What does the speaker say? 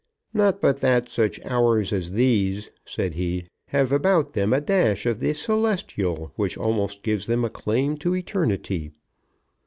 "Not but that such hours as these," said he, "have about them a dash of the celestial which almost gives them a claim to eternity."